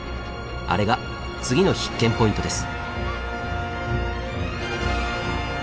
あれが次の必見ポイントです。